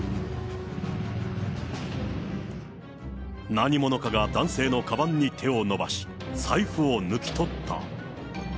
何者かが男性のかばんに手を伸ばし、財布を抜き取った。